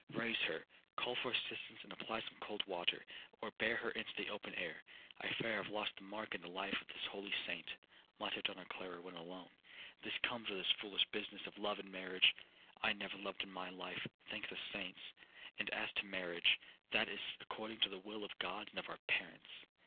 Raise her.—Call for assistance, and apply some cold water, or bear her into the open air. I fear I have lost the mark in the life of this holy saint,' muttered Donna Clara when alone; 'this comes of this foolish business of love and marriage. I never loved in my life, thank the saints!—and as to marriage, that is according to the will of God and of our parents.'